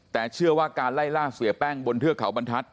แต่เชื่อว่าการไล่ล่าเสียแป้งบนเทือกเขาบรรทัศน